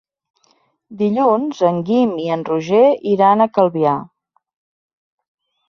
Dilluns en Guim i en Roger iran a Calvià.